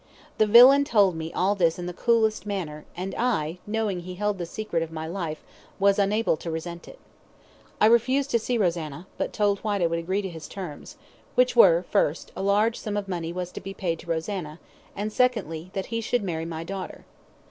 The villain told me all this in the coolest manner, and I, knowing he held the secret of my life, was unable to resent it. I refused to see Rosanna, but told Whyte I would agree to his terms, which were, first, a large sum of money was to be paid to Rosanna, and, secondly, that he should marry my daughter.